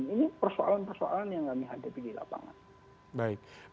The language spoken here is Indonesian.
ini persoalan persoalan yang kami hadapi di lapangan